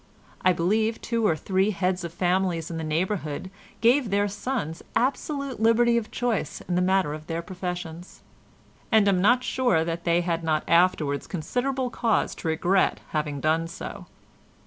I believe two or three heads of families in the neighbourhood gave their sons absolute liberty of choice in the matter of their professions—and am not sure that they had not afterwards considerable cause to regret having done so.